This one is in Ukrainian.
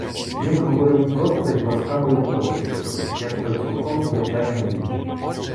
Він говорив просто й з ласкавою посмішкою, як про цілком звичайну річ.